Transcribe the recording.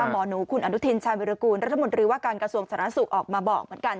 มนคุณอนุทินชาวมิรกูลรัฐมนตรีว่าการกระทรวงสถานศึกษ์ออกมาบอกเหมือนกัน